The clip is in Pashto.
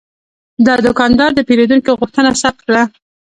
دا دوکاندار د پیرودونکي غوښتنه ثبت کړه.